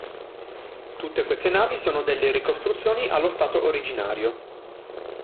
Tutte queste navi sono delle ricostruzioni allo stato originario.